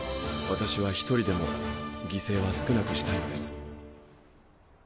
私はひとりでも犠牲は少なくしたいのです。